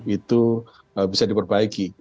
itu bisa diperbaiki